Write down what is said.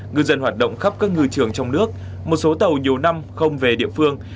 ngư dân hoạt động khắp các ngư trường trong nước một số tàu nhiều năm không về địa phương